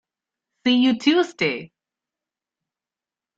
See you Tuesday!